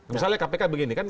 misalnya kpk begini kan